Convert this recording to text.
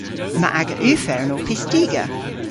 Yma aga ufern ow pystiga.